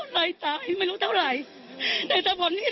ไม่รู้สิพี่